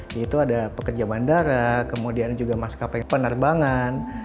yaitu ada pekerja bandara kemudian juga maskapai penerbangan